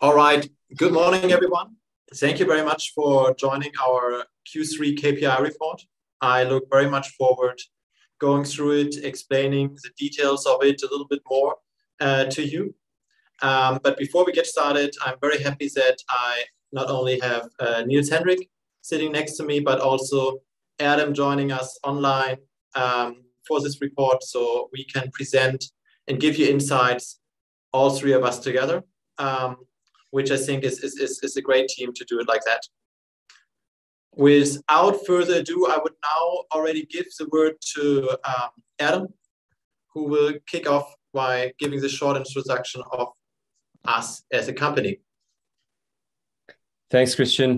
All right. Good morning, everyone. Thank you very much for joining our Q3 KPI report. I look very much forward going through it, explaining the details of it a little bit more to you. Before we get started, I'm very happy that I not only have Niels Henrik sitting next to me, but also Erdem joining us online for this report, so we can present and give you insights all three of us together, which I think is a great team to do it like that. Without further ado, I would now already give the word to Erdem, who will kick off by giving the short introduction of us as a company. Thanks, Christian.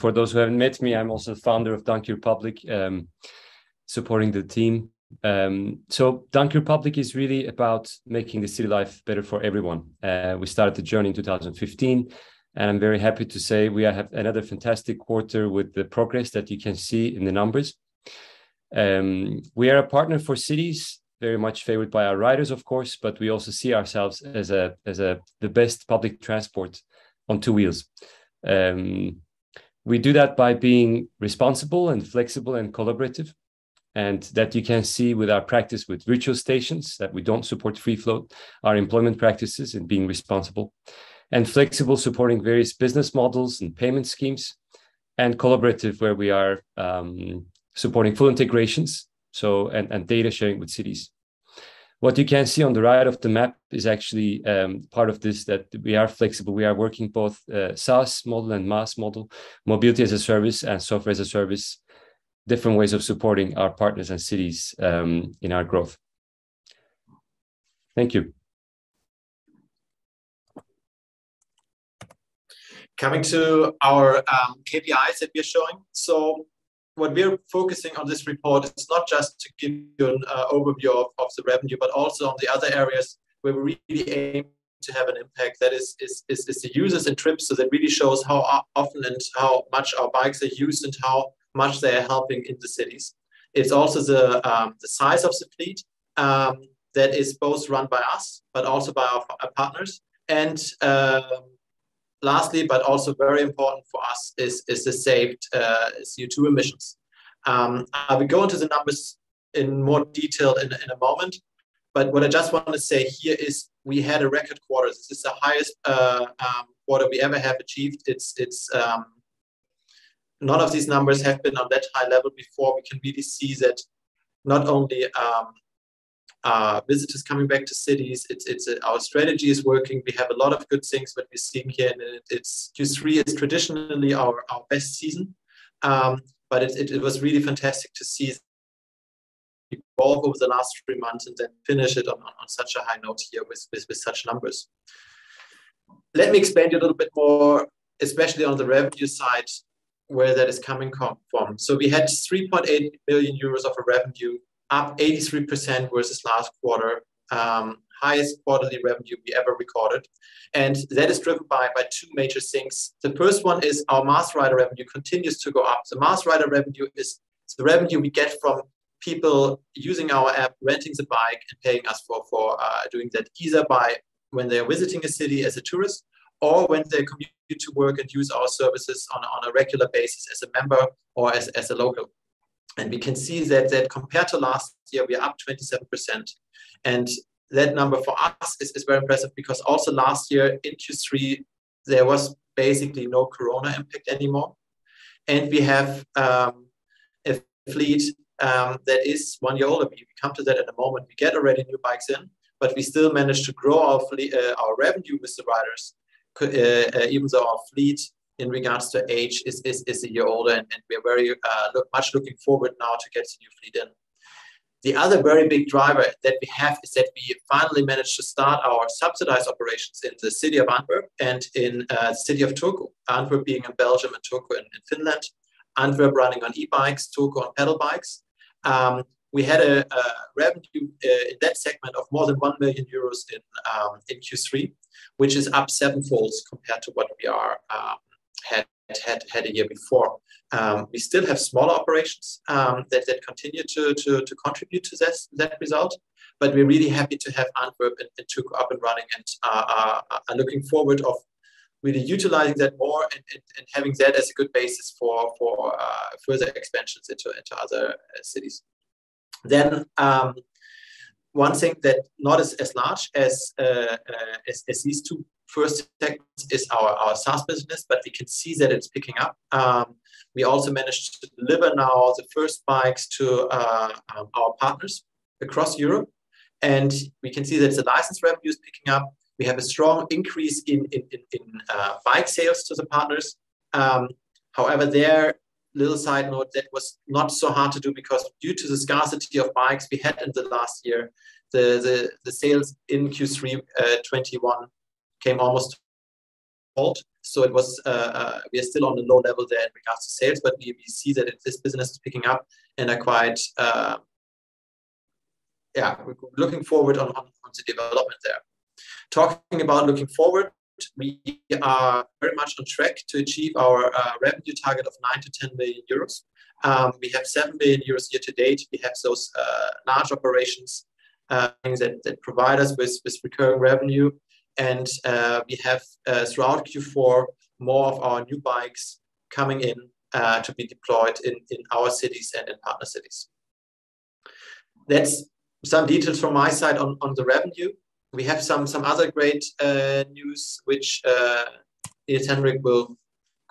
For those who haven't met me, I'm also founder of Donkey Republic, supporting the team. Donkey Republic is really about making the city life better for everyone. We started the journey in 2015, and I'm very happy to say we have another fantastic quarter with the progress that you can see in the numbers. We are a partner for cities, very much favored by our riders, of course, but we also see ourselves as the best public transport on two wheels. We do that by being responsible and flexible and collaborative, and that you can see with our practice with virtual stations, that we don't support free flow, our employment practices and being responsible. Flexible, supporting various business models and payment schemes, and collaborative where we are, supporting full integrations, and data sharing with cities. What you can see on the right of the map is actually part of this, that we are flexible. We are working both, SaaS model and MaaS model, mobility as a service and software as a service, different ways of supporting our partners and cities, in our growth. Thank you. Coming to our KPIs that we're showing. What we're focusing on this report is not just to give you an overview of the revenue, but also on the other areas where we really aim to have an impact. That is the users and trips, so that really shows how often and how much our bikes are used and how much they are helping in the cities. It's also the size of the fleet that is both run by us, but also by our partners. Lastly, but also very important for us is the saved CO2 emissions. I will go into the numbers in more detail in a moment, but what I just want to say here is we had a record quarter. This is the highest quarter we ever have achieved. None of these numbers have been on that high level before. We can really see that not only visitors coming back to cities, our strategy is working. We have a lot of good things that we're seeing here. Q3 is traditionally our best season, but it was really fantastic to see it all over the last three months and then finish it on such a high note here with such numbers. Let me explain a little bit more, especially on the revenue side, where that is coming from. We had 33.8 billion euros of a revenue, up 83% versus last quarter, highest quarterly revenue we ever recorded. That is driven by two major things. The first one is our MaaS rider revenue continues to go up. The MaaS rider revenue is the revenue we get from people using our app, renting the bike, and paying us for doing that, either by when they're visiting a city as a tourist or when they commute to work and use our services on a regular basis as a member or as a local. We can see that compared to last year, we are up 27%. That number for us is very impressive because also last year in Q3, there was basically no corona impact anymore. We have a fleet that is one year older. We come to that in a moment. We get already new bikes in, but we still manage to grow our fleet, our revenue with the riders, even though our fleet in regards to age is a year older and we are very much looking forward now to get the new fleet in. The other very big driver that we have is that we have finally managed to start our subsidized operations in the city of Antwerp and in city of Turku. Antwerp being in Belgium and Turku in Finland. Antwerp running on e-bikes, Turku on pedal bikes. We had a revenue in that segment of more than 1 million euros in Q3, which is up sevenfold compared to what we had a year before. We still have smaller operations that continue to contribute to this result, but we're really happy to have Antwerp and Turku up and running and are looking forward to really utilizing that more and having that as a good basis for further expansions into other cities. One thing that's not as large as these two first segments is our SaaS business, but we can see that it's picking up. We also managed to deliver now the first bikes to our partners across Europe, and we can see that the license revenue is picking up. We have a strong increase in bike sales to the partners. However, little side note, that was not so hard to do because due to the scarcity of bikes we had in the last year, the sales in Q3 2021 came almost fourfold. It was, we are still on a low level there in regards to sales, but we see that this business is picking up and are quite, we're looking forward on the development there. Talking about looking forward, we are very much on track to achieve our revenue target of 9 million-10 million euros. We have 7 million euros year to date. We have those large operations, things that provide us with recurring revenue. We have throughout Q4 more of our new bikes coming in to be deployed in our cities and in partner cities. That's some details from my side on the revenue. We have some other great news which Niels Henrik will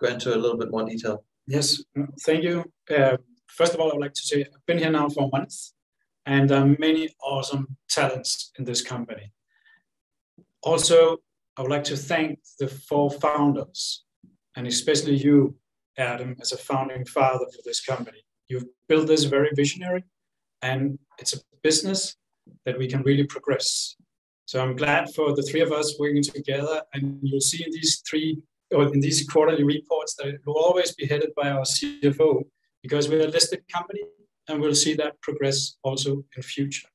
go into a little bit more detail. Yes. Thank you. First of all, I would like to say I've been here now for a month, and there are many awesome talents in this company. Also, I would like to thank the four founders, and especially you, Erdem, as a founding father for this company. You've built this very visionary, and it's a business that we can really progress. I'm glad for the three of us working together, and you'll see in these three or in these quarterly reports that it will always be headed by our CFO because we're a listed company, and we'll see that progress also in future.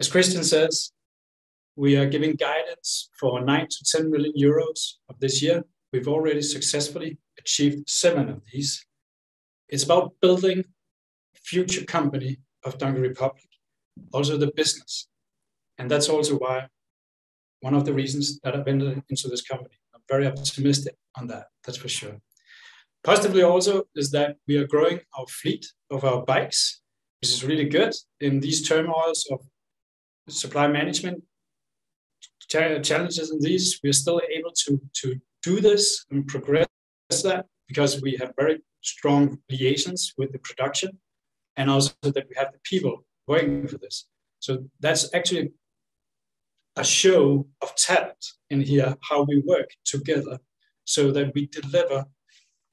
As Christian says, we are giving guidance for 9 million-10 million euros of this year. We've already successfully achieved seven of these. It's about building future company of Donkey Republic, also the business, and that's also why one of the reasons that I've entered into this company. I'm very optimistic on that. That's for sure. Positively also is that we are growing our fleet of our bikes, which is really good. In these terms of supply management challenges, we are still able to to do this and progress that because we have very strong liaisons with the production and also that we have the people working for this. That's actually a show of talent in here, how we work together so that we deliver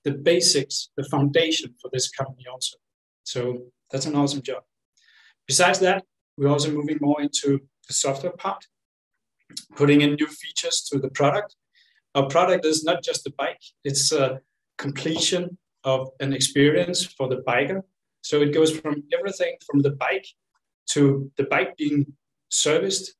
the basics, the foundation for this company also. That's an awesome job. Besides that, we're also moving more into the software part, putting in new features to the product. Our product is not just a bike. It's a completion of an experience for the biker. It goes from everything from the bike to the bike being serviced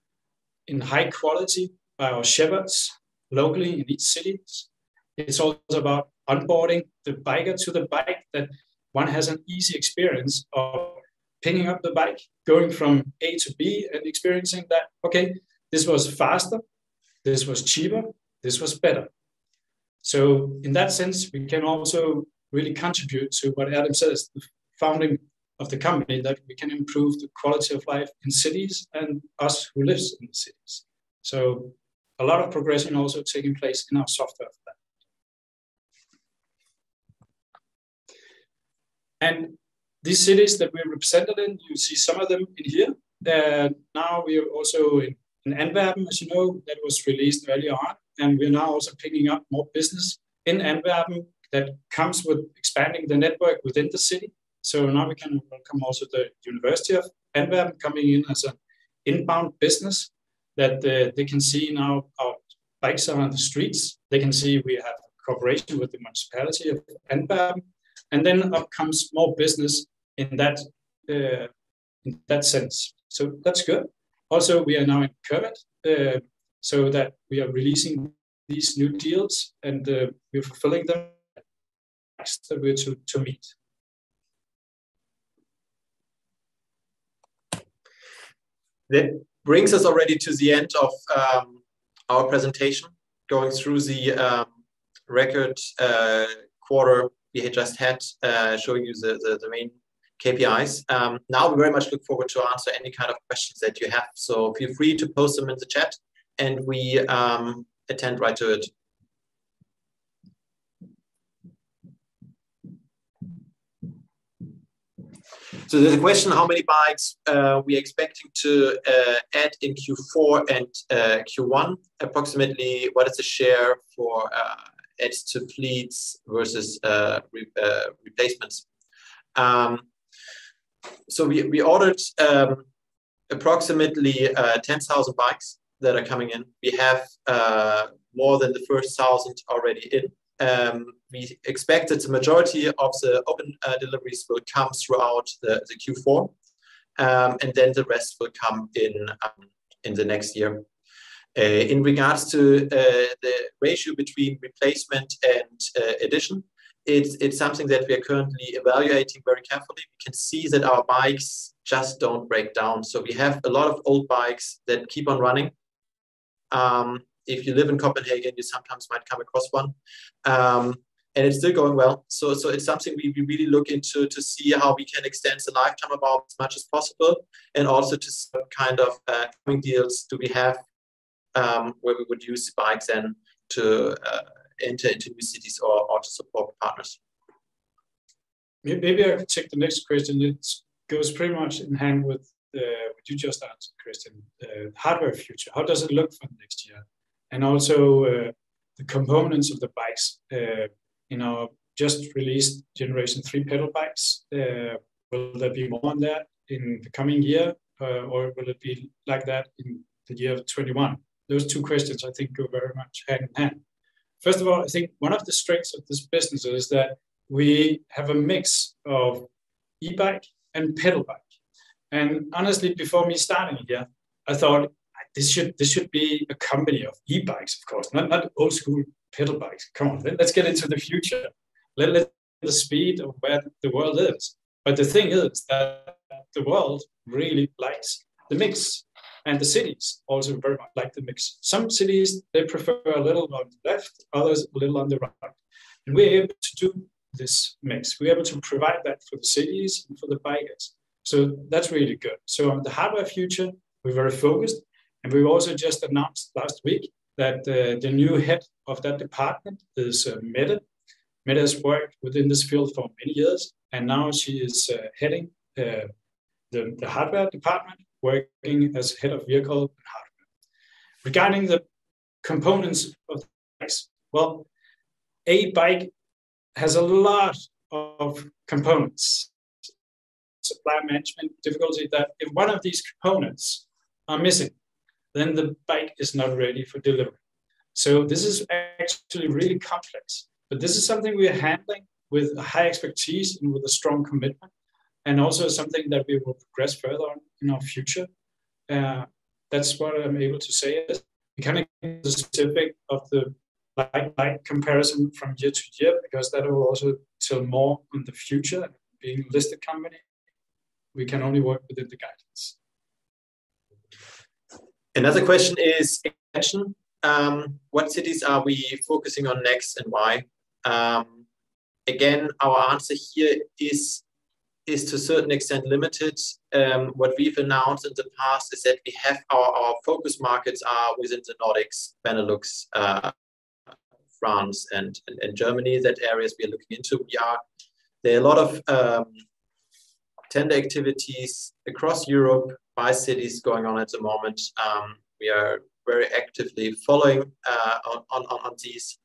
in high quality by our Shepherds locally in each cities. It's also about onboarding the biker to the bike that one has an easy experience of picking up the bike, going from A to B and experiencing that, "Okay, this was faster. This was cheaper. This was better." In that sense, we can also really contribute to what Erdem says, the founding of the company, that we can improve the quality of life in cities and us who lives in the cities. A lot of progression also taking place in our software for that. These cities that we're represented in, you see some of them in here. Now we are also in Antwerp, as you know. That was released early on, and we're now also picking up more business in Antwerp that comes with expanding the network within the city. Now we can welcome also the University of Antwerp coming in as an inbound business that, they can see now our bikes are on the streets. They can see we have cooperation with the municipality of Antwerp. Then up comes more business in that, in that sense. That's good. Also, we are now in Turku, so that we are releasing these new deals and, we're fulfilling them as they were to meet. That brings us already to the end of our presentation, going through the record quarter we had just had, showing you the main KPIs. Now we very much look forward to answer any kind of questions that you have. Feel free to post them in the chat, and we attend right to it. There's a question, how many bikes we expecting to add in Q4 and Q1? Approximately what is the share for adds to fleets versus replacements? We ordered approximately 10,000 bikes that are coming in. We have more than the first 1,000 already in. We expected the majority of the open deliveries will come throughout the Q4, and then the rest will come in in the next year. In regards to the ratio between replacement and addition, it's something that we are currently evaluating very carefully. We can see that our bikes just don't break down. We have a lot of old bikes that keep on running. If you live in Copenhagen, you sometimes might come across one. It's still going well. It's something we really look into to see how we can extend the lifetime about as much as possible and also to see what kind of upcoming deals do we have, where we would use the bikes then to enter into new cities or to support partners. Maybe I could take the next question. It goes pretty much hand in hand with what you just answered, Christian. The hardware future, how does it look for next year? And also, the components of the bikes, in our just released generation three pedal bikes, will there be more on that in the coming year, or will it be like that in the year of 2021? Those two questions I think go very much hand in hand. First of all, I think one of the strengths of this business is that we have a mix of e-bike and pedal bike. And honestly, before me starting here, I thought this should be a company of e-bikes, of course, not old-school pedal bikes. Come on. Let's get into the future. Let's speed ahead of where the world is. The thing is that the world really likes the mix, and the cities also very much like the mix. Some cities, they prefer a little on the left, others a little on the right, and we're able to do this mix. We're able to provide that for the cities and for the bikers, so that's really good. On the hardware future, we're very focused, and we've also just announced last week that the new head of that department is Mette. Mette's worked within this field for many years, and now she is heading the hardware department, working as head of vehicle and hardware. Regarding the components of the bikes, well, a bike has a lot of components. Supply management difficulty that if one of these components are missing, then the bike is not ready for delivery. This is actually really complex, but this is something we are handling with a high expertise and with a strong commitment, and also something that we will progress further on in our future. That's what I'm able to say is we can't give the specific of the bike by comparison from year-to-year because that will also tell more on the future. Being a listed company, we can only work within the guidance. Another question is expansion. What cities are we focusing on next and why? Again, our answer here is to a certain extent limited. What we've announced in the past is that we have our focus markets are within the Nordics, Benelux, France, and Germany. That areas we are looking into. There are a lot of tender activities across Europe by cities going on at the moment. We are very actively following on these.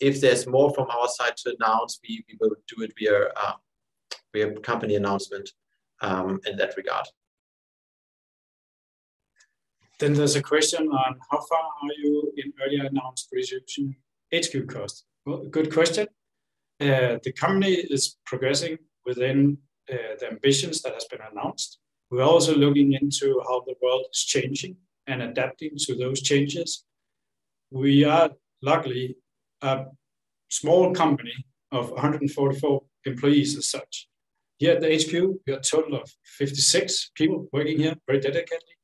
If there's more from our side to announce, we will do it via company announcement in that regard. There's a question on how far are you in earlier announced reduction HQ cost? Well, good question. The company is progressing within the ambitions that has been announced. We're also looking into how the world is changing and adapting to those changes. We are luckily a small company of 144 employees as such. Here at the HQ, we are a total of 56 people working here very dedicatedly,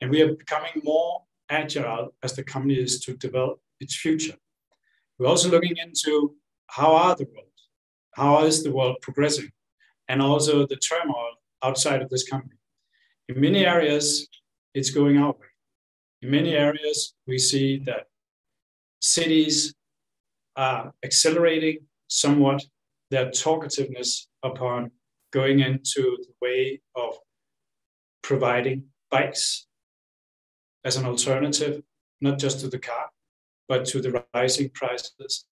and we are becoming more agile as the company is to develop its future. We're also looking into how is the world progressing, and also the turmoil outside of this company. In many areas it's going our way. In many areas we see that cities are accelerating somewhat their transition upon going into the way of providing bikes as an alternative, not just to the car, but to the rising prices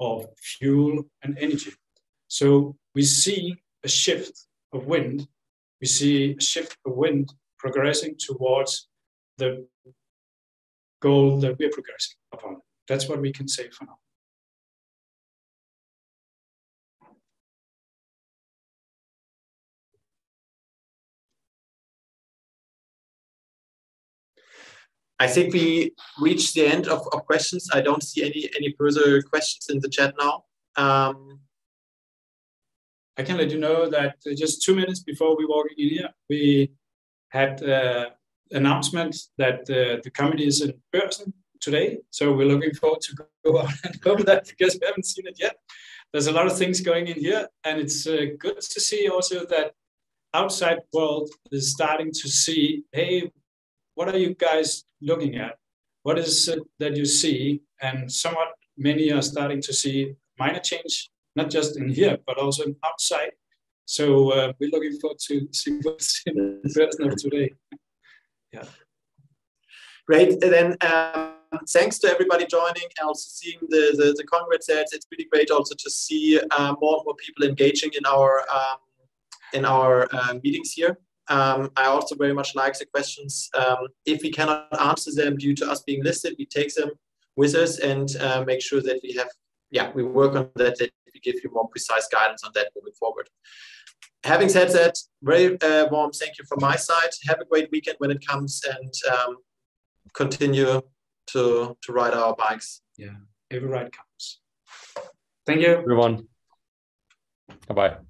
of fuel and energy. We see a shift in the wind progressing towards the goal that we are progressing upon. That's what we can say for now. I think we reached the end of questions. I don't see any further questions in the chat now. I can let you know that just two minutes before we walk in here, we had announcement that the company is in person today, so we're looking forward to go out and cover that because we haven't seen it yet. There's a lot of things going in here, and it's good to see also that outside world is starting to see, "Hey, what are you guys looking at? What is it that you see?" Somewhat many are starting to see minor change, not just in here, but also in outside. We're looking forward to see what's in person of today. Yeah. Great. Thanks to everybody joining and also seeing the conference here. It's really great also to see more and more people engaging in our meetings here. I also very much like the questions. If we cannot answer them due to us being listed, we take them with us. Yeah, we work on that, and we give you more precise guidance on that moving forward. Having said that, very warm thank you from my side. Have a great weekend when it comes, and continue to ride our bikes. Yeah. Every ride counts. Thank you. Everyone. Bye-bye.